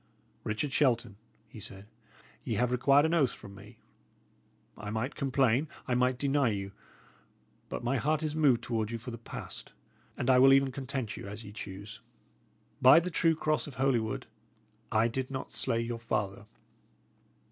"Richard Shelton," he said, "ye have required an oath from me. I might complain, I might deny you; but my heart is moved toward you for the past, and I will even content you as ye choose. By the true cross of Holywood, I did not slay your father."